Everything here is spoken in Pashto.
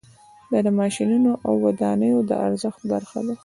دا د ماشینونو او ودانیو د ارزښت برخه ده